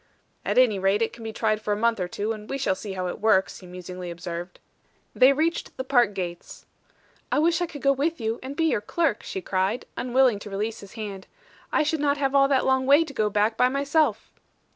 "At any rate it can be tried for a month or two, and we shall see how it works," he musingly observed. They reached the park gates. "I wish I could go with you and be your clerk," she cried, unwilling to release his hand. "I should not have all that long way to go back by myself."